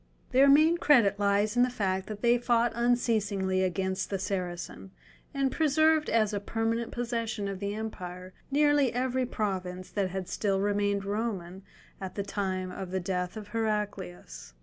Their main credit lies in the fact that they fought unceasingly against the Saracen, and preserved as a permanent possession of the empire nearly every province that they had still remained Roman at the death of Heraclius.